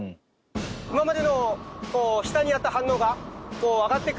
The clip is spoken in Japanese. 今までのこう下にあった反応が上がってくる時があるので。